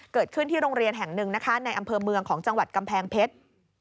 เกิดขึ้นที่โรงเรียนแห่งหนึ่งนะคะในอำเภอเมืองของจังหวัดกำแพงเพชร